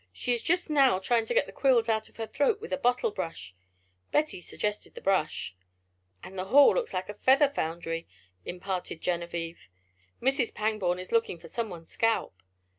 She is just now busy trying to get the quills out of her throat with a bottle brush. Betty suggested the brush." "And the hall looks like a feather foundry," imparted Genevieve. "Mrs. Pangborn is looking for someone's scalp."